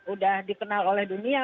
udah dikenal oleh dunia